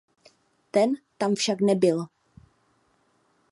Ten tam však nebyl.